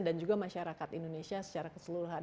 dan juga masyarakat indonesia secara keseluruhan